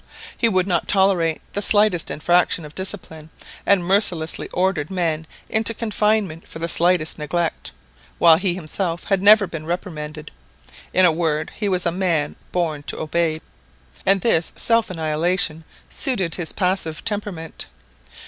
He would not tolerate the slightest infraction of discipline, and mercilessly ordered men into confinement for the slightest neglect, whilst he himself had never been reprimanded. In a word, he was a man born to obey, and this self annihilation suited his passive temperament.